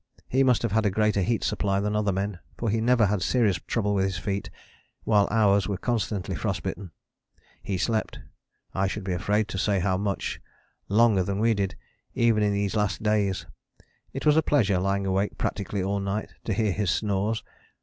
He must have had a greater heat supply than other men; for he never had serious trouble with his feet, while ours were constantly frost bitten: he slept, I should be afraid to say how much, longer than we did, even in these last days: it was a pleasure, lying awake practically all night, to hear his snores.